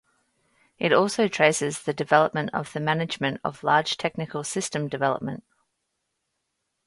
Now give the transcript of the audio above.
It also traces the development of the management of large technical system development.